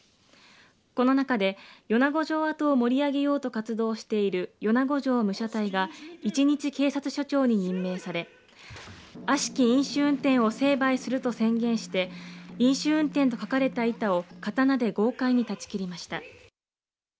この中で米子城跡を盛り上げようと活動している米子城武者隊が一日警察署長に任命されあしき飲酒運転を成敗すると宣言して飲酒運転と書かれた板を刀で豪快に立ち切りました。